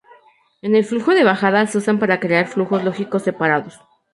En el flujo de bajada se usan para crear flujos lógicos separados.